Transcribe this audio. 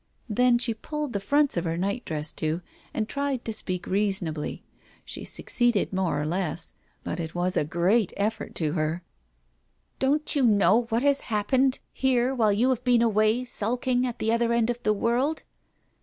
Then she pulled the fronts of her nightdress to, and tried to speak reason ably. She succeeded more or less, but it was a great effort to her. "Don't you know what has happened here while you have been away sulking at the other end of the world